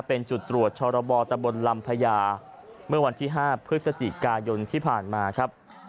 เป็นจุดตรวจชรบตะบนลำพญาเมื่อวันที่๕พฤศจิกายนที่ผ่านมาครับ